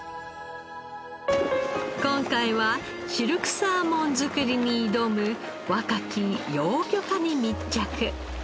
今回はシルクサーモン作りに挑む若き養魚家に密着。